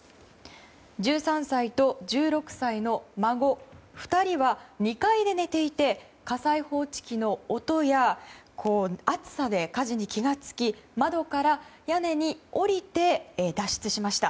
１３歳と１６歳の孫２人は２階で寝ていて火災報知機の音や熱さで火事に気が付き窓から屋根に下りて脱出しました。